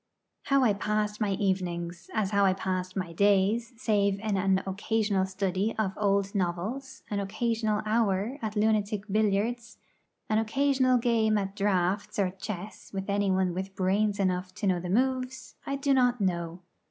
How I passed my evenings, as how I passed my days, save in an occasional study of old novels, an occasional hour at lunatic billiards, an occasional game at draughts or chess with anyone with brains enough to know the moves, I do not know.